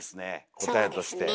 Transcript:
答えとして。